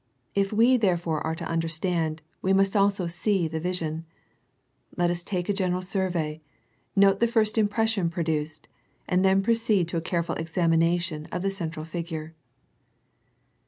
If we therefore are to understand, we also must see the vision. Let us take a general survey, note the first impression produced, and then proceed to a careful examination of the central figure.